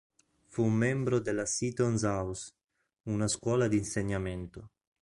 Fu un membro della Seaton's House, una scuola di insegnamento.